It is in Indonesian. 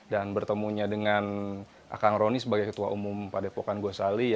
dan bertemunya dengan kang rony sebagai ketua umum padepokan gosali